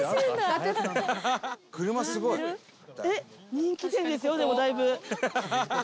人気店ですよでもだいぶ。